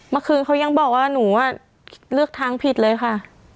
เมื่อคืนเขายังบอกว่าหนูเลือกทางผิดเลยค่ะ